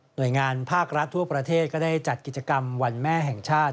โดยงานภาครัฐทั่วประเทศก็ได้จัดกิจกรรมวันแม่แห่งชาติ